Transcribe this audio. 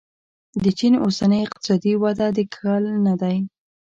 د چین اوسنۍ اقتصادي وده د کل نه دی.